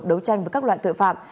đấu tranh với các loại tội phạm